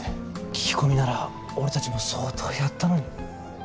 聞き込みなら俺たちも相当やったのに。